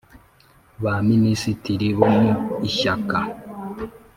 ba minisitiri bo mu Ishyaka